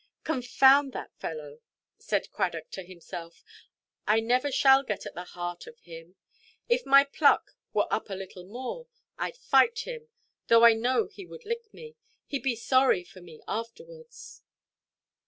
"Confound that fellow," said Cradock to himself; "I never shall get at the heart of him. If my pluck were up a little more. Iʼd fight him; though I know he would lick me. Heʼd be sorry for me afterwards."